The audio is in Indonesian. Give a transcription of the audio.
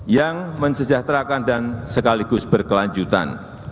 yang mensejahterakan dan sekaligus berkelanjutan